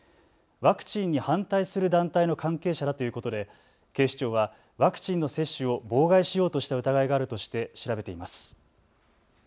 ワクチンに反対する団体の関係者だということで警視庁はワクチンの接種を妨害しようとした疑いがあるとして調べています。